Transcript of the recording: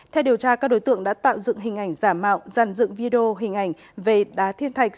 theo điều tra các đối tượng đã tạo dựng hình ảnh giả mạo dàn dựng video hình ảnh về đá thiên thạch